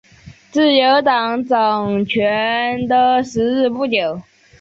自由党掌权的时日不久。